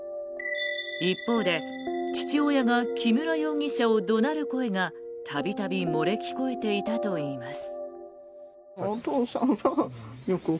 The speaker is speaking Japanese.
一方で、父親が木村容疑者を怒鳴る声が度々漏れ聞こえていたといいます。